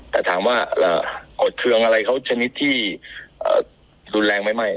แต่ถามว่าอดเครื่องอะไรเขาชนิดที่รุนแรงไหมไม่